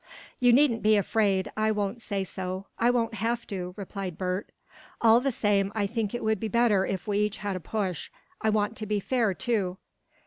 "You needn't be afraid I won't say so I won't have to," replied Bert. "All the same I think it would be better if we each had a push. I want to be fair, too."